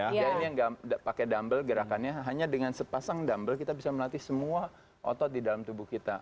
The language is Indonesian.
ya ini yang pakai dumble gerakannya hanya dengan sepasang dumble kita bisa melatih semua otot di dalam tubuh kita